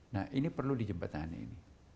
nah ini perlu dijembatani ini